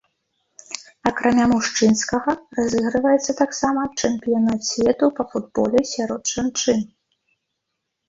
Акрамя мужчынскага, разыгрываецца таксама чэмпіянат свету па футболе сярод жанчын.